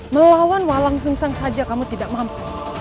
melawan walang sungseng saja kamu tidak mampu